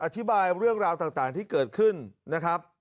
อธิบายเรื่องราวต่างที่เกิดขึ้นนะครับ